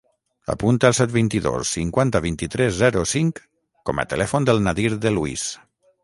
Apunta el set, vint-i-dos, cinquanta, vint-i-tres, zero, cinc com a telèfon del Nadir De Luis.